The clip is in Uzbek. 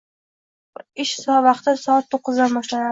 Ish vaqti soat to'qqizdan boshlanadi.